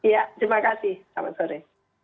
ya terima kasih selamat sore